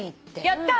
やった！